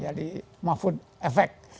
jadi mahfud efek